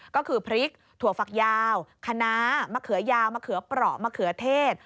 ก็คือพริกถั่วฝักยาวคณะมะเขือยาวมะเขือเปราะมะเขือเทศ